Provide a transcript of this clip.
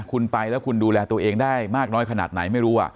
คุณไปแล้วคุณดูแลตัวเองได้มากน้อยขนาดไหนไม่รู้